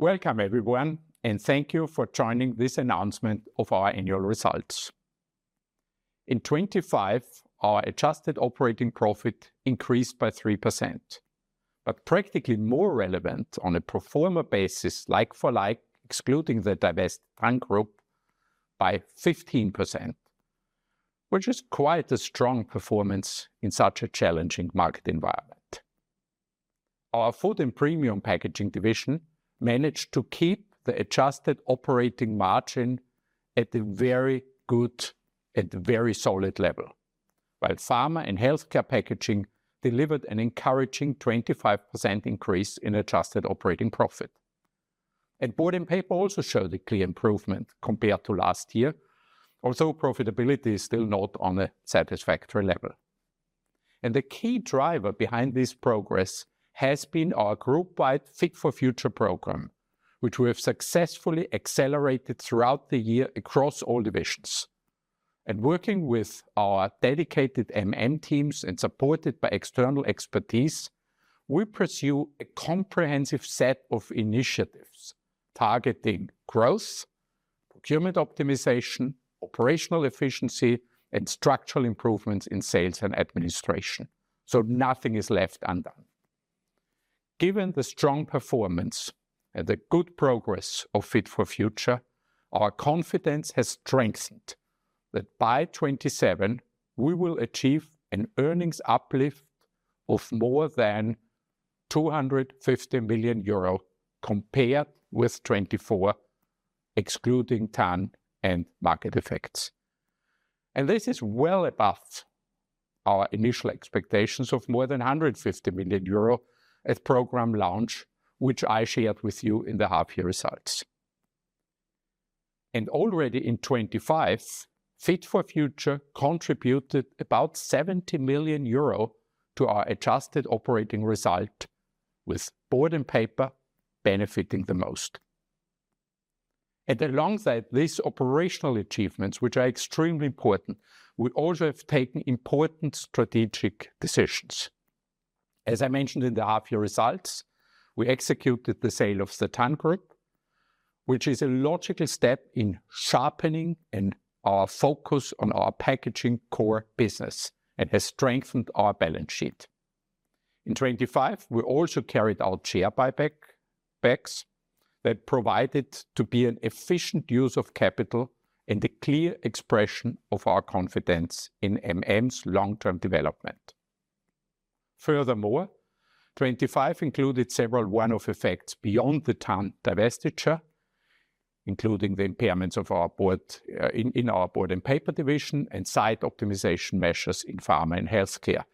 Welcome, everyone, and thank you for joining this announcement of our annual results. In 2025, our adjusted operating profit increased by 3%. Practically more relevant on a pro forma basis like for like, excluding the divested TANN Group by 15%, which is quite a strong performance in such a challenging market environment. Our Food & Premium Packaging division managed to keep the adjusted operating margin at a very good and very solid level. While Pharma & Healthcare Packaging delivered an encouraging 25% increase in adjusted operating profit. MM Board & Paper also showed a clear improvement compared to last year, although profitability is still not on a satisfactory level. The key driver behind this progress has been our group-wide Fit for Future program, which we have successfully accelerated throughout the year across all divisions. Working with our dedicated MM teams and supported by external expertise, we pursue a comprehensive set of initiatives targeting growth, procurement optimization, operational efficiency, and structural improvements in sales and administration. Nothing is left undone. Given the strong performance and the good progress of Fit for Future, our confidence has strengthened that by 2027 we will achieve an earnings uplift of more than 250 million euro compared with 2024, excluding TANN and market effects. This is well above our initial expectations of more than 150 million euro at program launch, which I shared with you in the half year results. Already in 2025, Fit for Future contributed about 70 million euro to our adjusted operating result with Board & Paper benefiting the most. Alongside these operational achievements, which are extremely important, we also have taken important strategic decisions. As I mentioned in the half year results, we executed the sale of the TANN Group, which is a logical step in sharpening our focus on our packaging core business and has strengthened our balance sheet. In 2025, we also carried out share buybacks that provided to be an efficient use of capital and a clear expression of our confidence in MM's long-term development. Furthermore, 2025 included several one-off effects beyond the TANN divestiture, including the impairments of our Board & Paper division and site optimization measures in Pharma & Healthcare.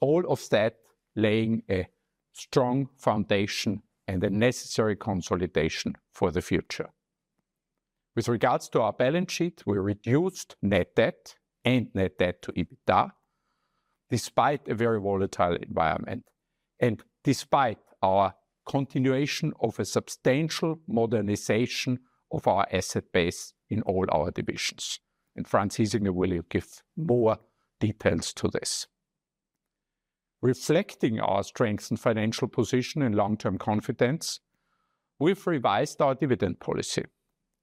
All of that laying a strong foundation and the necessary consolidation for the future. With regards to our balance sheet, we reduced net debt and net debt to EBITDA, despite a very volatile environment and despite our continuation of a substantial modernization of our asset base in all our divisions. Franz Hiesinger will give more details to this. Reflecting our strength and financial position and long-term confidence, we've revised our dividend policy.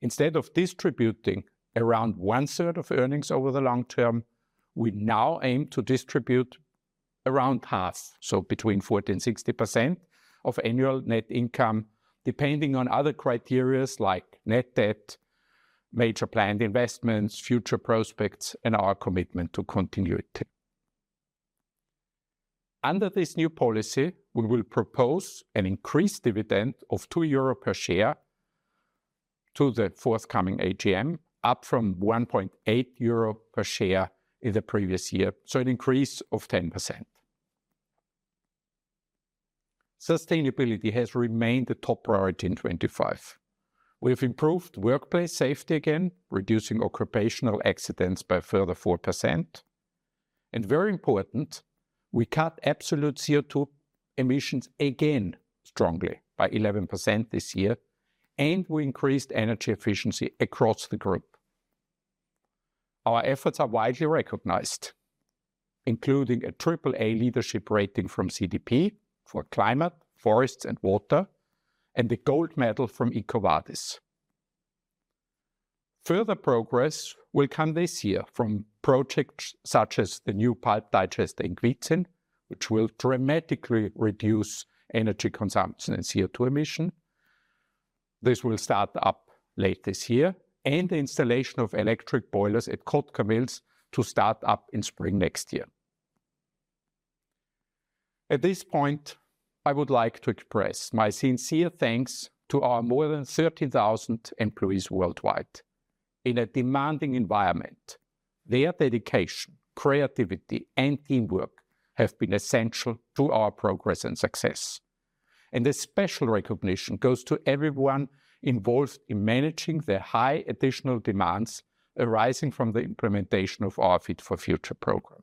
Instead of distributing around 1/3 of earnings over the long term, we now aim to distribute around half, so between 40% and 60% of annual net income, depending on other criteria like net debt, major planned investments, future prospects, and our commitment to continuity. Under this new policy, we will propose an increased dividend of 2 euro per share to the forthcoming AGM, up from 1.8 euro per share in the previous year, so an increase of 10%. Sustainability has remained a top priority in 2025. We have improved workplace safety again, reducing occupational accidents by a further 4%. Very important, we cut absolute CO2 emissions again strongly by 11% this year, and we increased energy efficiency across the group. Our efforts are widely recognized, including a triple A leadership rating from CDP for climate, forests, and water, and a gold medal from EcoVadis. Further progress will come this year from projects such as the new pipe digester in Gratkorn, which will dramatically reduce energy consumption and CO2 emission. This will start up late this year. The installation of electric boilers at Kotkamills to start up in spring next year. At this point, I would like to express my sincere thanks to our more than 13,000 employees worldwide. In a demanding environment, their dedication, creativity, and teamwork have been essential to our progress and success. A special recognition goes to everyone involved in managing the high additional demands arising from the implementation of our Fit for Future program.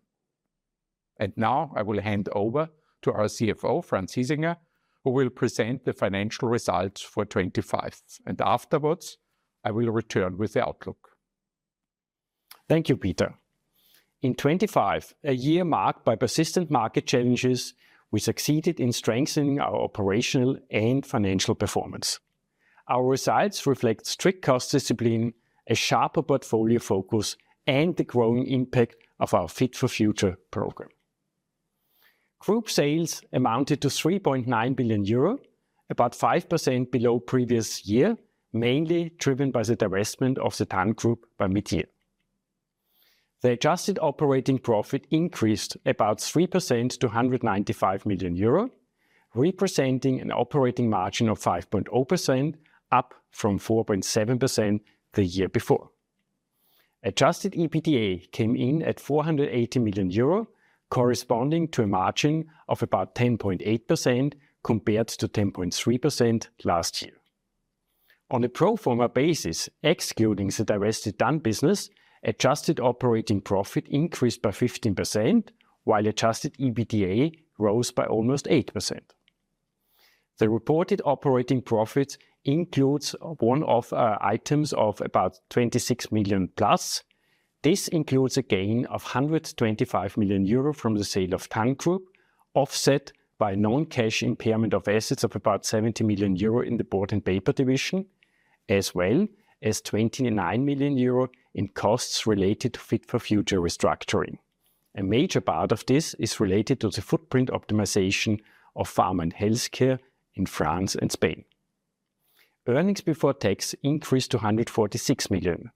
Now I will hand over to our CFO, Franz Hiesinger, who will present the financial results for 2025. Afterwards, I will return with the outlook. Thank you, Peter. In 2025, a year marked by persistent market challenges, we succeeded in strengthening our operational and financial performance. Our results reflect strict cost discipline, a sharper portfolio focus, and the growing impact of our Fit for Future program. Group sales amounted to 3.9 billion euro, about 5% below previous year, mainly driven by the divestment of the TANN Group by mid-year. The adjusted operating profit increased about 3% to 195 million euro, representing an operating margin of 5.0%, up from 4.7% the year before. Adjusted EBITDA came in at 480 million euro, corresponding to a margin of about 10.8% compared to 10.3% last year. On a pro forma basis, excluding the divested TANN business, adjusted operating profit increased by 15%, while Adjusted EBITDA rose by almost 8%. The reported operating profits includes one-off items of about 26 million-plus. This includes a gain of 125 million euro from the sale of TANN Group, offset by a non-cash impairment of assets of about 70 million euro in the Board & Paper division, as well as 29 million euro in costs related to Fit for Future restructuring. A major part of this is related to the footprint optimization of Pharma & Healthcare in France and Spain. Earnings before tax increased to 146 million.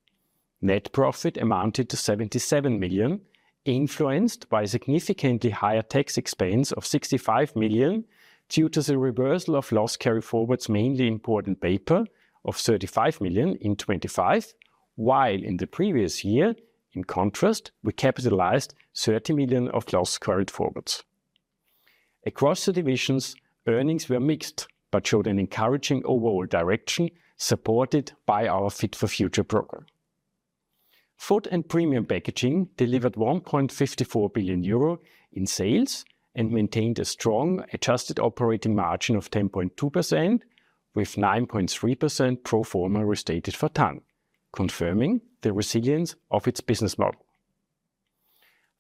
Net profit amounted to 77 million, influenced by significantly higher tax expense of 65 million due to the reversal of loss carryforwards, mainly in Board & Paper of 35 million in 2025. While in the previous year, in contrast, we capitalized 30 million of loss carryforwards. Across the divisions, earnings were mixed, but showed an encouraging overall direction, supported by our Fit for Future program. Food and Premium Packaging delivered 1.54 billion euro in sales and maintained a strong adjusted operating margin of 10.2%, with 9.3% pro forma restated for TANN, confirming the resilience of its business model.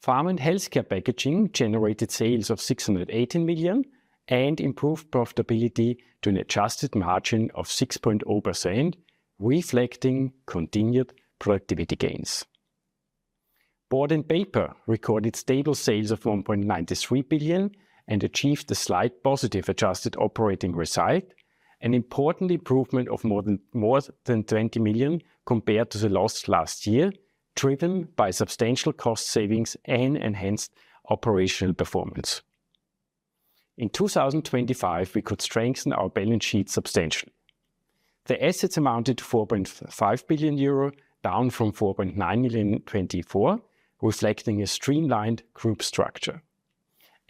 Pharma and Healthcare Packaging generated sales of 618 million and improved profitability to an adjusted margin of 6.0%, reflecting continued productivity gains. Board and Paper recorded stable sales of 1.93 billion and achieved a slight positive adjusted operating result, an important improvement of more than 20 million compared to the loss last year, driven by substantial cost savings and enhanced operational performance. In 2025, we could strengthen our balance sheet substantially. The assets amounted to 4.5 billion euro, down from 4.9 billion in 2024, reflecting a streamlined group structure.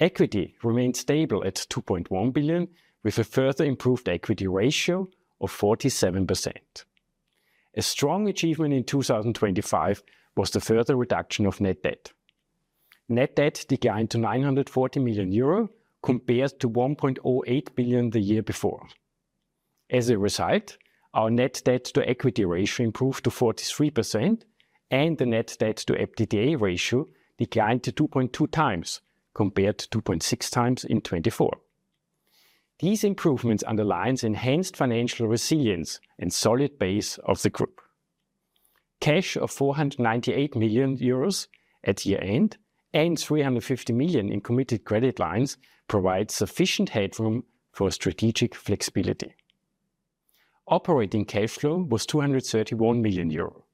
Equity remained stable at 2.1 billion, with a further improved equity ratio of 47%. A strong achievement in 2025 was the further reduction of net debt. Net debt declined to 940 million euro compared to 1.08 billion the year before. As a result, our net debt to equity ratio improved to 43%, and the net debt to EBITDA ratio declined to 2.2x, compared to 2.6x in 2024. These improvements underlines enhanced financial resilience and solid base of the group. Cash of 498 million euros at year-end and 350 million in committed credit lines provide sufficient headroom for strategic flexibility. Operating cash flow was 231 million euro.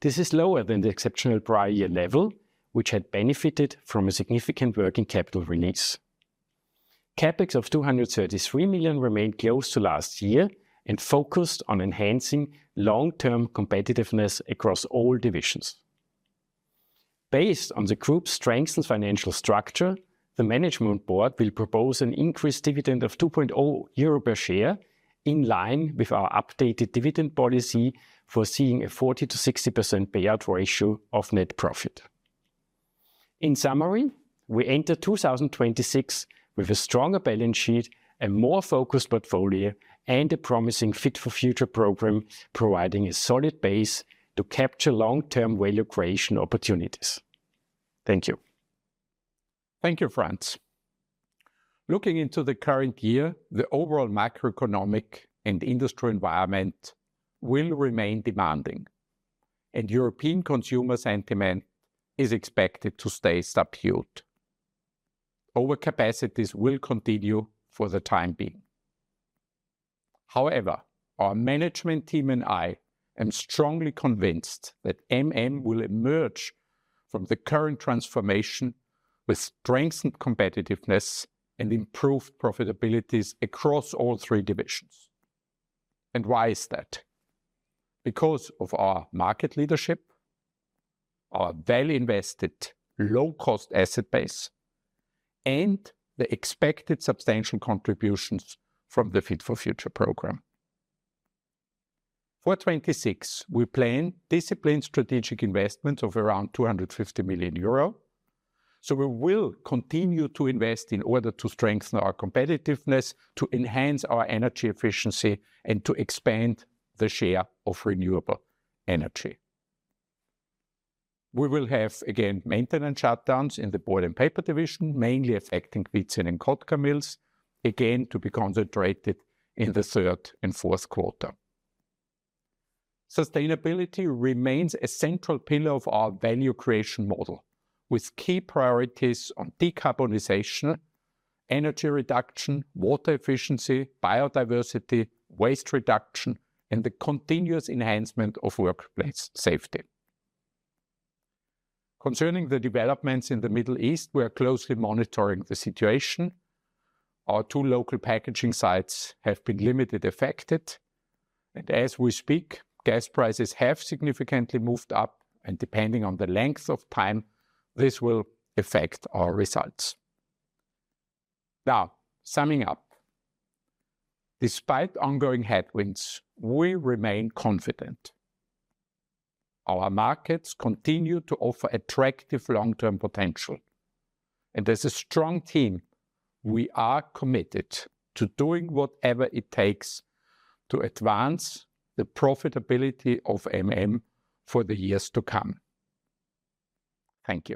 This is lower than the exceptional prior year level, which had benefited from a significant working capital release. CapEx of 233 million remained close to last year and focused on enhancing long-term competitiveness across all divisions. Based on the group's strengthened financial structure, the management board will propose an increased dividend of 2.0 euro per share, in line with our updated dividend policy, foreseeing a 40%-60% payout ratio of net profit. In summary, we enter 2026 with a stronger balance sheet and more focused portfolio and a promising Fit for Future program, providing a solid base to capture long-term value creation opportunities. Thank you. Thank you, Franz. Looking into the current year, the overall macroeconomic and industry environment will remain demanding, and European consumer sentiment is expected to stay subdued. Overcapacities will continue for the time being. However, our management team and I am strongly convinced that MM will emerge from the current transformation with strengthened competitiveness and improved profitabilities across all divisions. Why is that? Because of our market leadership, our value invested low cost asset base, and the expected substantial contributions from the Fit for Future program. For 2026, we plan disciplined strategic investments of around 250 million euro. We will continue to invest in order to strengthen our competitiveness, to enhance our energy efficiency, and to expand the share of renewable energy. We will have, again, maintenance shutdowns in the MM Board & Paper division, mainly affecting Gratkorn and Kotkamills, again, to be concentrated in the third and fourth quarter. Sustainability remains a central pillar of our value creation model, with key priorities on decarbonization, energy reduction, water efficiency, biodiversity, waste reduction, and the continuous enhancement of workplace safety. Concerning the developments in the Middle East, we are closely monitoring the situation. Our two local packaging sites have been little affected. As we speak, gas prices have significantly moved up, and depending on the length of time, this will affect our results. Now, summing up. Despite ongoing headwinds, we remain confident. Our markets continue to offer attractive long-term potential. As a strong team, we are committed to doing whatever it takes to advance the profitability of MM for the years to come. Thank you.